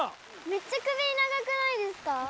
めっちゃ首長くないですか？